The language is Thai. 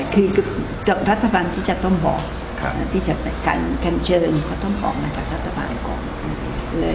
คือรัฐบาลที่จะต้องพอกที่จะกันเชิญเขาต้องพอกมาจากรัฐบาลก่อน